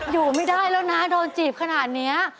อยู่ไม่ได้แล้วนะโดนจีบขนาดนี้